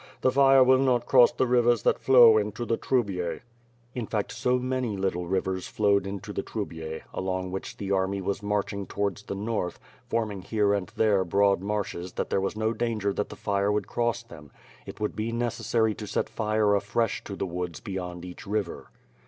The fire will not cross the rivers that fiow into the Trubiej." In fact so many little rivers flowed into the Trubiej, along which the army was marching towards the north, forming here and there broad marshes that there was no danger that the fire would cross them; it would be necessary to set fire afresh to the woods beyond each river.